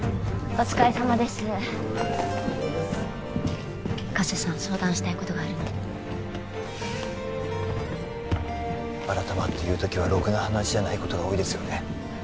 お疲れさまです加瀬さん相談したいことがあるの改まって言う時はろくな話じゃないことが多いですよね